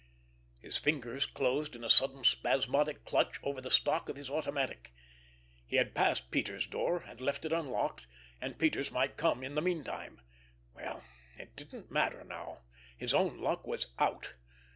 His fingers closed in a sudden spasmodic clutch over the stock of his automatic. He had passed Peters' door, and left it unlocked, and Peters might come in the meantime. Well, it didn't matter now! His own luck was out!